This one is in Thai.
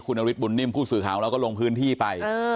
คุณอวิทย์บุญนิ่มผู้สื่อข่าวแล้วก็ลงพื้นที่ไปเออ